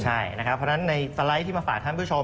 เพราะฉะนั้นในสไลกที่มาฝากคุณผู้ชม